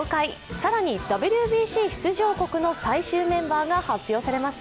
更に、ＷＢＣ出場国の最終メンバーは発表されました。